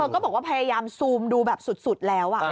ก็บอกว่าพยายามซูมดูแบบสุดแล้ว